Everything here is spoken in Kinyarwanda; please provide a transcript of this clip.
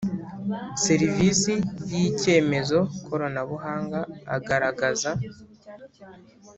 serivisi y icyemezo koranabuhanga agaragaza